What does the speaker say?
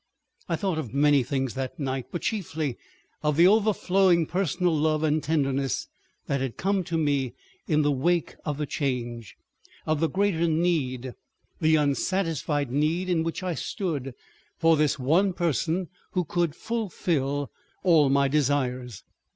I thought of many things that night, but chiefly of the overflowing personal love and tenderness that had come to me in the wake of the Change, of the greater need, the unsatisfied need in which I stood, for this one person who could fulfil all my desires.